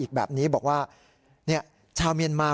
ค้าเป็นผู้ชายชาวเมียนมา